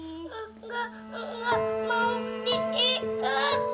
enggak enggak mau diiket